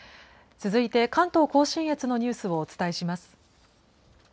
続いて、関東甲信越のニュースをお伝えします。